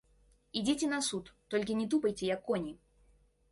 Ідзіце на суд, толькі не тупайце, як коні.